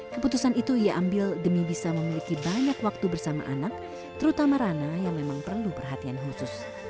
keputusan itu ia ambil demi bisa memiliki banyak waktu bersama anak terutama rana yang memang perlu perhatian khusus